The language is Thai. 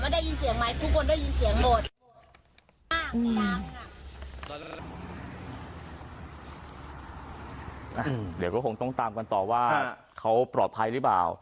เดี๋ยวก็คงต้องตามกันต่อว่าเขาปลอดภัยหรือเปล่า